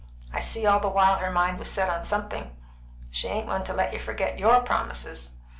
"I see all the while her mind was set on something. She ain't one to let you forget your promises.